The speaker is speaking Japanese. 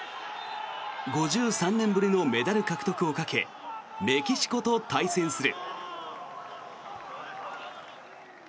５３年ぶりのメダル獲得をかけメキシコと対戦する。